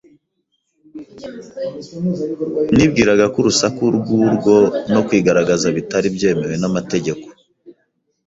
" Bibwiraga ko urusaku nk'urwo no kwigaragaza bitari byemewe n'amategeko